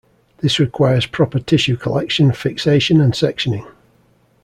This requires proper tissue collection, fixation and sectioning.